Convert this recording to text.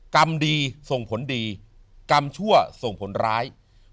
กรรมดีส่งผลดีกรรมชั่วส่งผลร้าย